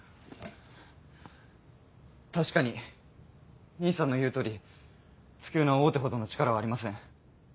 確かに兄さんの言う通り月夜野は大手ほどの力はありません。